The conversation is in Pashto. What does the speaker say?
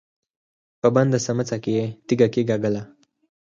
په بنده سمڅه کې يې تيږه کېکاږله.